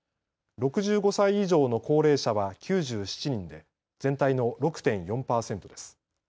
６５歳以上の高齢者は９７人で全体の６．４％です。